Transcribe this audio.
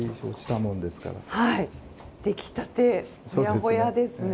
出来たてほやほやですね。